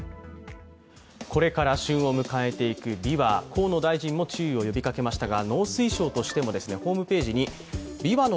これから旬を迎えていくびわ、河野大臣も注意を呼びかけましたが。